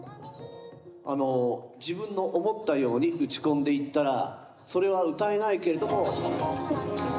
あの自分の思ったように打ち込んでいったらそれは歌えないけれども。